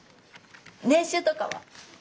年収とかは？